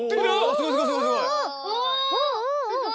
すごいすごい！おすごい！